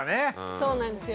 そうなんですよ。